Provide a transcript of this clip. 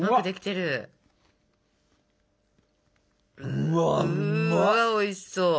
うわおいしそう！